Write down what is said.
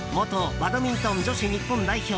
バドミントン女子日本代表